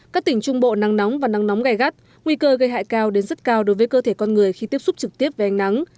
các tỉnh trung bộ nắng nóng và nắng nóng gai gắt nguy cơ gây hại cao đến rất cao đối với cơ thể con người khi tiếp xúc trực tiếp với ánh nắng